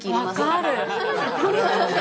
分かる。